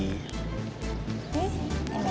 ini enak aja